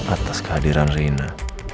atas kehadiran rena